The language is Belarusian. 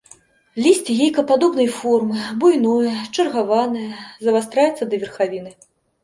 Лісце яйкападобнай формы, буйное, чаргаванае, завастраецца да верхавіны.